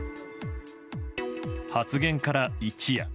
発言から一夜。